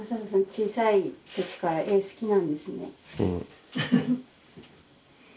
小さい時から絵好きなんですね。